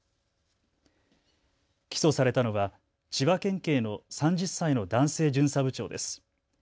起訴されたのは千葉県警の３０歳の男性巡査部長です。